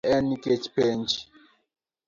Mae en nikech penj